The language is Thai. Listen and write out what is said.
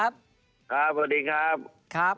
ครับสวัสดีครับ